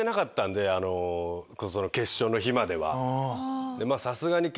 決勝の日までは。